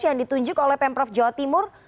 yang ditunjuk oleh pm prof jawa timur